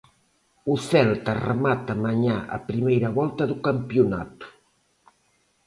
O Celta remata mañá a primeira volta do campionato.